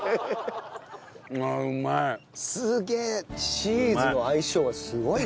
チーズの相性すごいね。